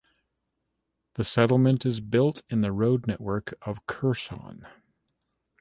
The settlement is built in the road network of Kherson.